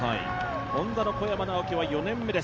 Ｈｏｎｄａの小山直城は４年目です。